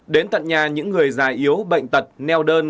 đến tận nhà những người già yếu bệnh tật neo đơn